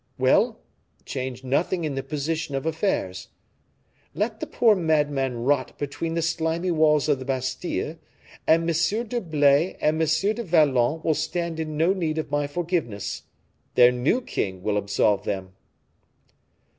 "Well; change nothing in the position of affairs. Let the poor madman rot between the slimy walls of the Bastile, and M. d'Herblay and M. du Vallon will stand in no need of my forgiveness. Their new king will absolve them."